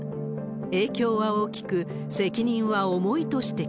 影響は大きく、責任は重いと指摘。